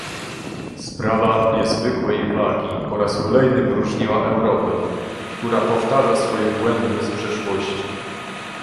Sprawa niezwykłej wagi po raz kolejny poróżniła Europę, która powtarza swoje błędy z przeszłości